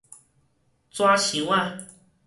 紙箱仔